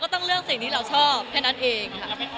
ไม่ไม่แรงหรอกต้อง๖๐๐